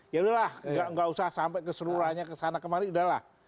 ya udah lah nggak usah sampai keserulahnya ke sana kemarin udah lah